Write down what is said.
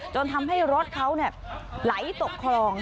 จนทำให้รถเขาไหลตกคลอง